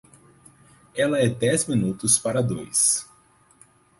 Ela é dez minutos para dois.